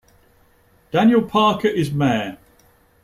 Daniel Parker is Mayor.